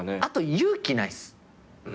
あと勇気ないっす。